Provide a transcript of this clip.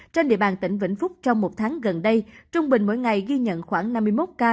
trên địa bàn tỉnh vĩnh phúc trong một tháng gần đây trung bình mỗi ngày ghi nhận khoảng năm mươi một ca